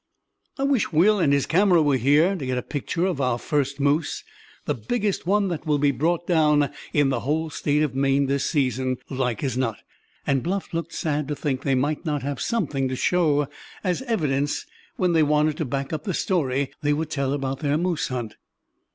"I wish Will and his camera were here to get a picture of our first moose, the biggest one that will be brought down in the whole State of Maine this season, like as not." And Bluff looked sad to think they might not have something to show as evidence when they wanted to back up the story they would tell about their moose hunt.